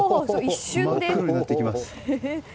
真っ黒になっていきます。